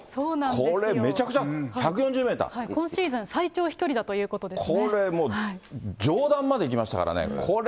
これ、めちゃくちゃ、今シーズン最長飛距離だといこれも、上段までいきましたからね。